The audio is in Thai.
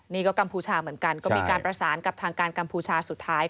นี่ก็กัมพูชาเหมือนกันก็มีการประสานกับทางการกัมพูชาสุดท้าย